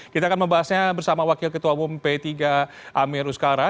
kita akan membahasnya bersama wakil ketua umum p tiga amir uskara